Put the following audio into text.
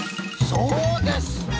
そうです！